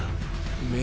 目